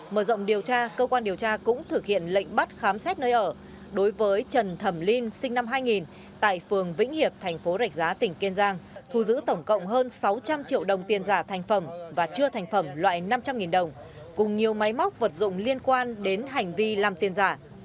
mở rộng điều tra cơ quan điều tra cũng thực hiện lệnh bắt khám xét nơi ở đối với trần thẩm linh sinh năm hai nghìn tại phường vĩnh hiệp thành phố rạch giá tỉnh kiên giang thu giữ tổng cộng hơn sáu trăm linh triệu đồng tiền giả thành phẩm và chưa thành phẩm loại năm trăm linh đồng cùng nhiều máy móc vật dụng liên quan đến hành vi làm tiền giả